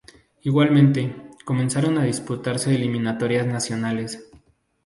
Igualmente, comenzaron a disputarse eliminatorias nacionales.